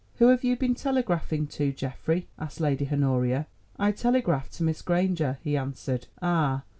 "Who have you been telegraphing to, Geoffrey?" asked Lady Honoria. "I telegraphed to Miss Granger," he answered. "Ah!